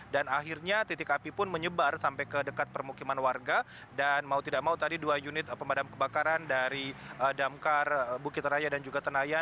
dan akhirnya titik api pun menyebar sampai ke dekat permukiman warga dan mau tidak mau tadi dua unit pemadam kebakaran dari damkar bukit raya dan juga tenayan